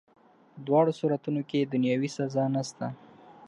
په دواړو صورتونو کي دنیاوي سزا نسته.